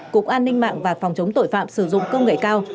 cục an ninh mạng và phòng chống tội phạm sử dụng công nghệ cao